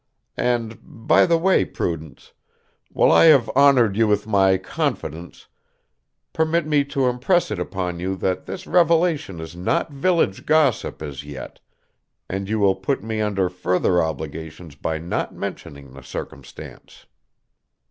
And, by the way, Prudence, while I have honored you with my confidence, permit me to impress it upon you that this revelation is not village gossip as yet, and you will put me under further obligations by not mentioning the circumstance.